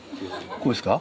これですか？